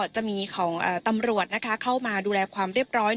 จะมีของตำรวจเข้ามาดูแลความเรียบร้อย